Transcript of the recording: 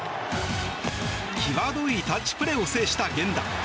際どいタッチプレーを制した源田。